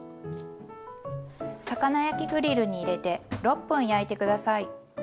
魚焼きグリルに入れて６分焼いて下さい。